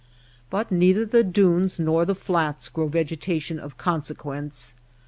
But neither the dunes nor the flats grow vegetation of consequence.